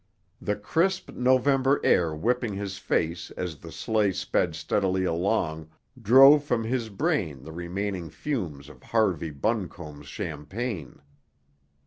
The crisp November air whipping his face as the sleigh sped steadily along drove from his brain the remaining fumes of Harvey Buncombe's champagne.